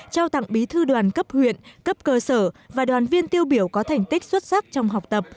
trao tặng bí thư đoàn cấp huyện cấp cơ sở và đoàn viên tiêu biểu có thành tích xuất sắc trong học tập